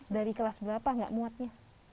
dari kelas berapa gak muatnya